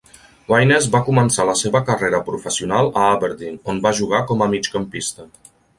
Wyness va començar la seva carrera professional a Aberdeen, on va jugar com a migcampista.